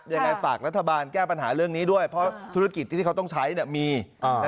ยังไงฝากรัฐบาลแก้ปัญหาเรื่องนี้ด้วยเพราะธุรกิจที่เขาต้องใช้มี